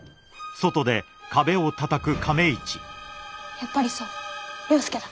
やっぱりそうだ。